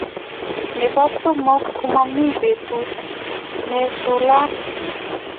Nebo somok komomi boisiet ne chulat